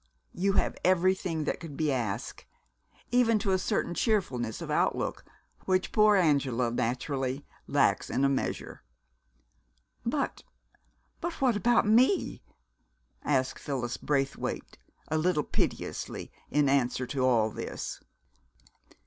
You have everything that could be asked, even to a certain cheerfulness of outlook which poor Angela, naturally, lacks in a measure." "But but what about me?" asked Phyllis Braithwaite a little piteously, in answer to all this.